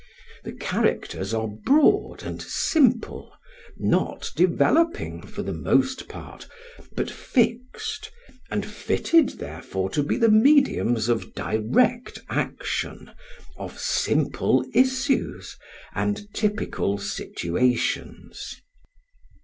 The characters are broad and simple, not developing for the most part, but fixed, and fitted therefore to be the mediums of direct action, of simple issues, and typical situations.